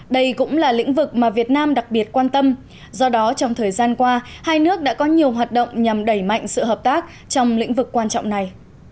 đây cũng là lĩnh vực mà việt nam đặc biệt quan tâm do đó trong thời gian qua hai nước đã có nhiều hoạt động nhằm đẩy mạnh sự hợp tác trong lĩnh vực quan trọng này